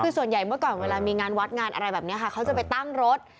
คือส่วนใหญ่เมื่อก่อนเวลามีงานวัดงานอะไรแบบนี้ค่ะเขาจะไปตั้งรถ